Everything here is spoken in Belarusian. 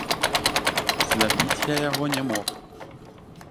Забіць я яго не мог.